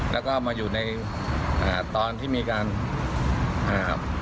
แล้วก็มาอยู่ในอ่าตอนที่มีการอ่าครับ